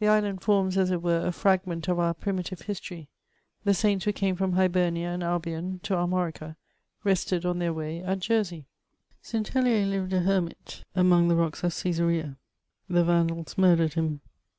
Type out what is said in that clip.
The island forms, as it were, a fragment of our primitive history : the saints who came firom Hibemia and Albion to rested on their way at Jersey. CHATBAUBMAND. 867 St. Holier lired a hennit among the rocks of Caesaiea ; the Vandals murdered him.